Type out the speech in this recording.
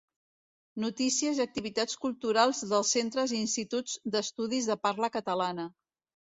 Notícies i activitats culturals dels Centres i Instituts d'Estudis de Parla Catalana.